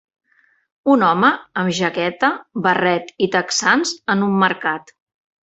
Un home amb jaqueta, barret i texans en un mercat